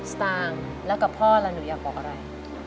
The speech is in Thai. สตางค์แล้วกับพ่อแล้วหนูอยากบอกอะไร